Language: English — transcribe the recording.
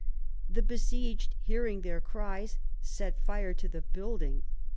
The besieged, hearing their cries, set fire to the building.